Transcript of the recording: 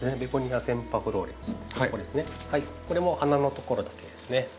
これも花のところだけですね。